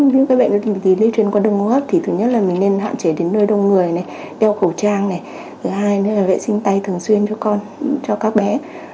về phòng tránh những cái bệnh lý truyền của đường hô hấp thì thứ nhất là mình nên hạn chế đến nơi đông người đeo khẩu trang thứ hai là vệ sinh tay thường xuyên cho con cho các bé